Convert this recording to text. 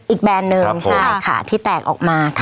แบรนด์หนึ่งใช่ค่ะที่แตกออกมาค่ะ